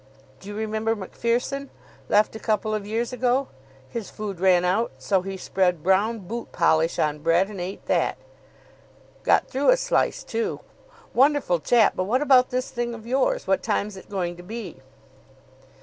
Do you remember Macpherson? Left a couple of years ago. His food ran out, so he spread brown boot polish on bread, and ate that. Got through a slice, too. Wonderful chap! But what about this thing of yours? What time's it going to be?"